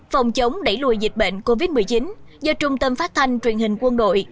phòng chống đẩy lùi dịch bệnh covid một mươi chín do trung tâm phát thanh truyền hình quân đội